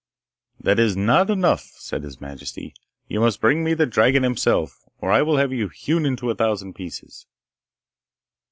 'That is not enough,' said his majesty; 'you must bring me the dragon himself, or I will have you hewn into a thousand pieces.